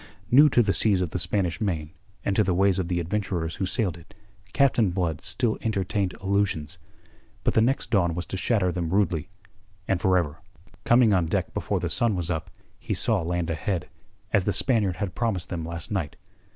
New to the seas of the Spanish Main and to the ways of the adventurers who sailed it, Captain Blood still entertained illusions. But the next dawn was to shatter them rudely and for ever. Coming on deck before the sun was up, he saw land ahead, as the Spaniard had promised them last night.